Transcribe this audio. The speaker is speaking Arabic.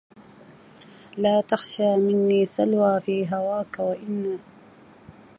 لا تخش مني سلوا في هواك وإن